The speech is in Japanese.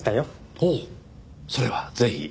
ほうそれはぜひ。